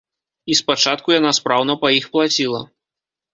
І спачатку яна спраўна па іх плаціла.